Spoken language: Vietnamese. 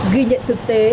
ghi nhận thực tế